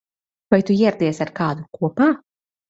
Vai tu ieradies ar kādu kopā?